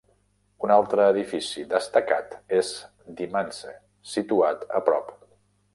Un altre edifici destacat és The Manse, situat a prop.